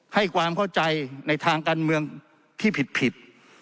ให้ความเข้าใจในทางการเมืองที่ผิด